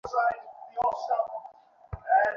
বসন্ত কোনো উত্তর না দিয়া গম্ভীরমুখে দাঁড়াইয়া রহিল।